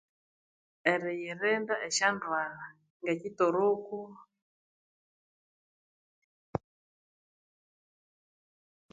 Eriyirinda esyondwalha ngekithuruko